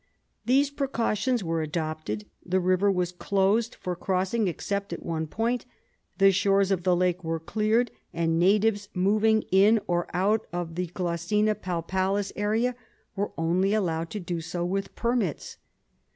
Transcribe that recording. These precautions were adopted, the river was closed for crossing except at one point, the shores of the lake were cleared, and natives moving in or out of the G. palpalis area were only allowed to do so with permits.